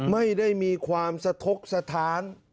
ไม่ได้มีความสะทกสถาน